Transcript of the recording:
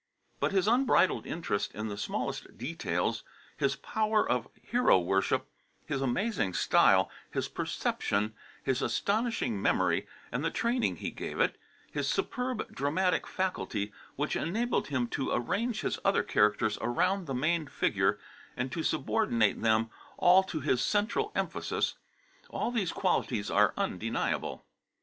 But his unbridled interest in the smallest details, his power of hero worship, his amazing style, his perception, his astonishing memory and the training he gave it, his superb dramatic faculty, which enabled him to arrange his other characters around the main figure, and to subordinate them all to his central emphasis all these qualities are undeniable.